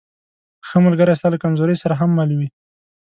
ښه ملګری ستا له کمزورۍ سره هم مل وي.